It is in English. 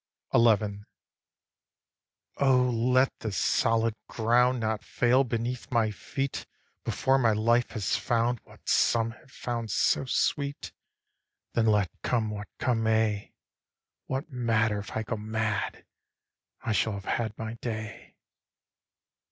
XI. 1. O let the solid ground Not fail beneath my feet Before my life has found What some have found so sweet; Then let come what come may, What matter if I go mad, I shall have had my day.